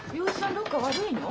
どっか悪いの？